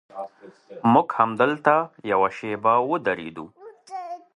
موږ همدلته یوه شېبه ودرېدو.